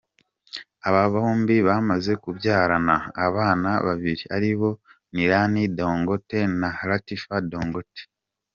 Aba bombi bamaze kubyarana abana babiri ari bo Nillan Dangote na Latifah Dangote.